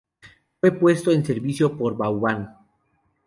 Fue puesto en servicio por Vauban.